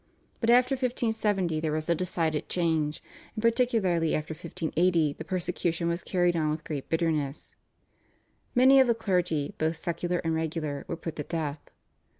But after 1570 there was a decided change, and particularly after 1580 the persecution was carried on with great bitterness. Many of the clergy, both secular and regular, were put to death.